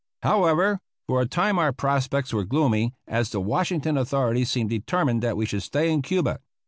However, for a time our prospects were gloomy, as the Washington authorities seemed determined that we should stay in Cuba.